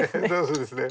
そうですね。